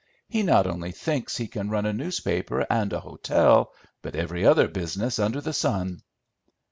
He not only thinks he can run a newspaper and a hotel, but every other business under the sun."